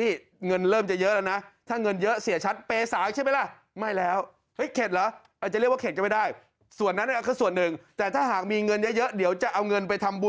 มีเงินเยอะเยอะเดี๋ยวจะเอาเงินไปทำบุญ